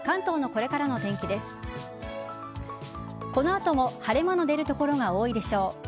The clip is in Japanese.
この後も晴れ間の出る所が多いでしょう。